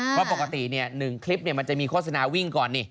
เพราะปกติ๑คลิปมันจะมีโฆษณาวิ่งก่อน